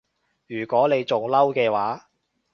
如果你仲嬲嘅話